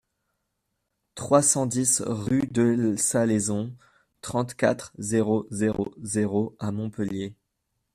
trois cent dix rue de Salaison, trente-quatre, zéro zéro zéro à Montpellier